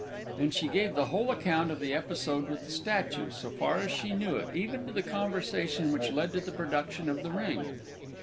And she gave the whole account of the episode with the statue, so far as she knew it, even to the conversation which led to the production of the ring.